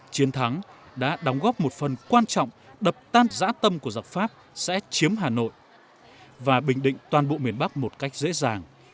chiến thắng đã đóng góp một phần quan trọng đập tan giã tâm của dọc pháp sẽ chiếm hà nội và bình định toàn bộ miền bắc một cách dễ dàng